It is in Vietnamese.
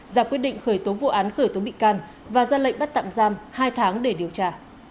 ra quyết định khởi tố vụ án khởi tố bị can và ra lệnh bắt tạm giam hai tháng để điều tra